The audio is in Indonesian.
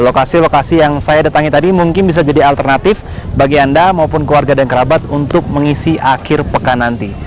lokasi lokasi yang saya datangi tadi mungkin bisa jadi alternatif bagi anda maupun keluarga dan kerabat untuk mengisi akhir pekan nanti